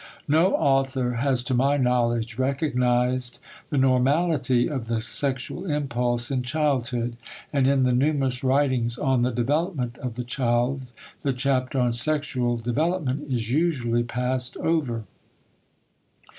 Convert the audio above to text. No author has to my knowledge recognized the normality of the sexual impulse in childhood, and in the numerous writings on the development of the child the chapter on "Sexual Development" is usually passed over.